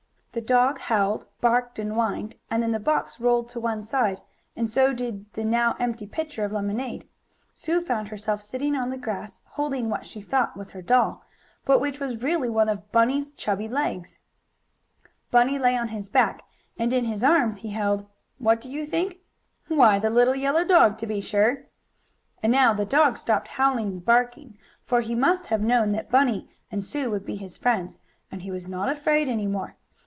The dog howled, barked and whined, and then the box rolled to one side, and so did the now empty pitcher of lemonade. Sue found herself sitting on the grass, holding what she thought was her doll, but which was really one of Bunny's chubby legs. Bunny lay on his back, and in his arms he held what do you think? Why the little yellow dog, to be sure! And now the dog stopped howling and barking, for he must have known that Bunny and Sue would be his friends, and he was not afraid any more.